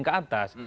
jamping ke atas